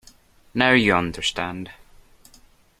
Now, you understand.